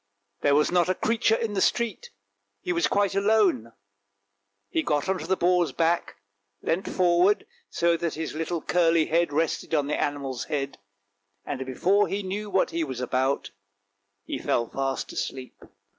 There was not a creature in the street ; he was quite alone, he got on to the boar's back, leant forward so that his little curly head rested on the animal's head, and before he knew what he was about he fell fast asleep.